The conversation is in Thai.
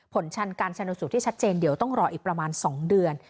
ผลชันการชนสูตรที่ชัดเจนเดี๋ยวต้องรออีกประมาณ๒เดือน